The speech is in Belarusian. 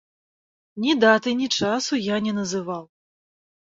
Ні даты, ні часу я не называў.